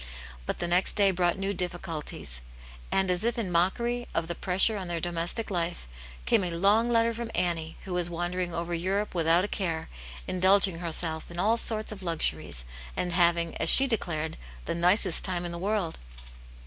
But the next day brought new difficulties, and. as if in mockery of the pressure on their domestic life, came a long letter from Annie, who was wandering over Europe without a care, indulging herself in all sorts of luxuries, and having, as she declared, the nicest time in the world.